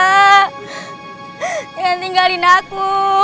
jangan tinggalin aku